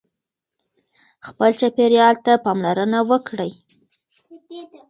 خپل چاپېریال ته پاملرنه وکړئ.